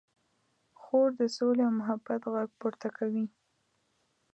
خور د سولې او محبت غږ پورته کوي.